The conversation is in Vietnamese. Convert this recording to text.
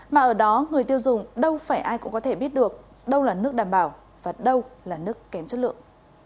mà ở đó người tiêu dùng đâu phải ai cũng có thể biết được đâu là nước đảm bảo và đâu là nước kém chất lượng